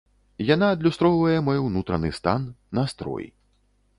Яна адлюстроўвае мой унутраны стан, настрой.